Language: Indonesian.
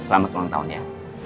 selamat ulang tahun ya